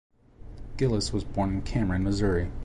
Gillis was born in Cameron, Missouri.